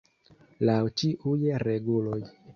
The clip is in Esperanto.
Laŭ ĉiuj reguloj!